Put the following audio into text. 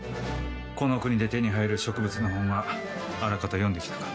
この国で手に入る植物の本はあらかた読んできたか？